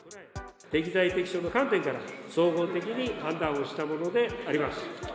適材適所の観点から総合的に判断をしたものであります。